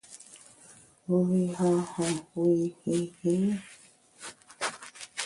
Wu yi han han wu yi hin hin ?